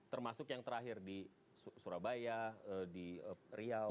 termasuk yang terakhir di surabaya di riau